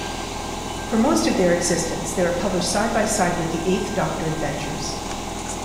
For most of their existence, they were published side-by-side with the Eighth Doctor Adventures.